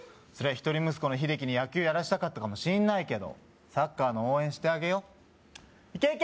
一人息子のヒデキに野球やらしたかったかもしんないけどサッカーの応援してあげよいけいけ！